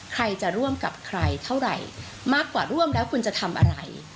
ใครจะร่วมกับใครเท่าไหร่มากกว่าร่วมแล้วคุณจะทำอะไร